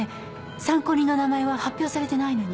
参考人の名前は発表されてないのに。